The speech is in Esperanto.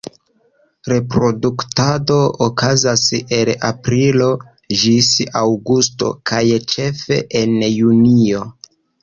Reproduktado okazas el aprilo ĝis aŭgusto, kaj ĉefe en junio.